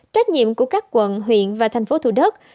trách nhiệm của các quận huyện và thành phố thủ đức